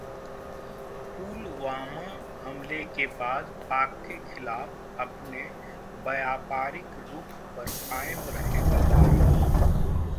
पुलवामा हमले के बाद पाक के खिलाफ अपने व्यापारिक रुख पर कायम रहेगा भारत